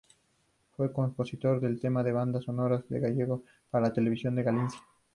Fue compositor de temas y bandas sonoras en gallego para la Televisión de Galicia.